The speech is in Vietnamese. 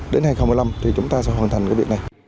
đến hai nghìn một mươi năm thì chúng ta sẽ hoàn thành cái việc này